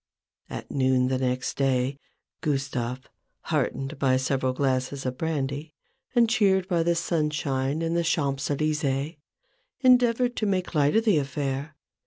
At noon the next day, Gustave, heartened by several glasses of brandy, and cheered by the sunshine in the Champs Elysecs, endeavoured to make light of the affair.